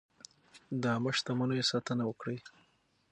د عامه شتمنیو ساتنه وکړئ.